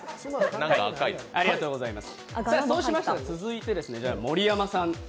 続いて盛山さん。